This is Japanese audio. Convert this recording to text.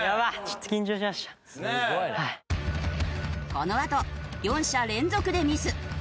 このあと４者連続でミス。